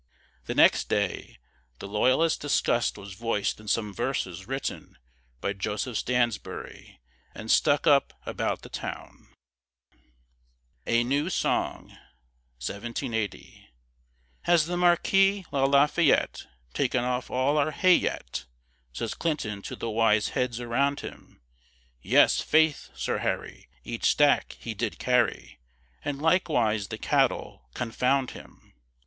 The next day, the Loyalist disgust was voiced in some verses written by Joseph Stansbury and stuck up about the town. A NEW SONG "Has the Marquis La Fayette Taken off all our hay yet?" Says Clinton to the wise heads around him: "Yes, faith, Sir Harry, Each stack he did carry, And likewise the cattle confound him!